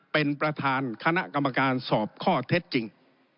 เป็นประธานคณะกรรมการสอบข้อเท็จจริง